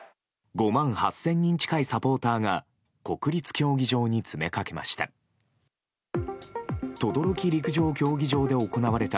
５万８０００人近いサポーターが国立競技場に詰めかけました。